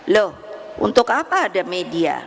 loh untuk apa ada media